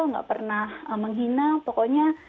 nggak pernah menghina pokoknya